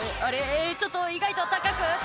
ちょっと意外と高くって」